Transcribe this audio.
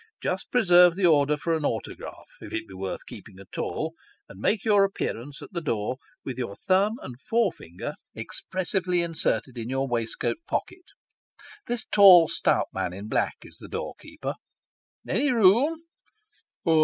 Just preserve the order for an autograph, if it be worth keeping at all, and make your appearance at the door with your thumb and fore finger expressively inserted in your waistcoat pocket. This tall stout man in black is the doorkeeper. "Any room?"